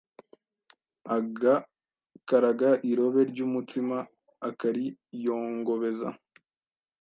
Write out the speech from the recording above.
agakaraga irobe ry'umutsima akariyongobeza.